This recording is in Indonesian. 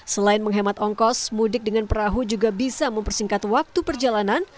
selain menghemat ongkos mudik dengan perahu juga bisa mempersingkat waktu perjalanan